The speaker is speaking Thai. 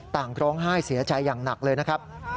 ร้องไห้เสียใจอย่างหนักเลยนะครับ